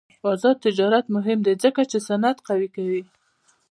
آزاد تجارت مهم دی ځکه چې صنعت قوي کوي.